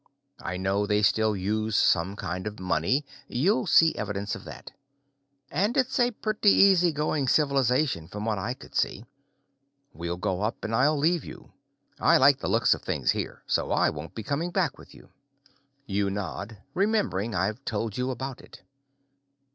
I know they still use some kind of money, you'll see evidence of that. And it's a pretty easygoing civilization, from what I could see. We'll go up and I'll leave you. I like the looks of things here, so I won't be coming back with you." You nod, remembering I've told you about it.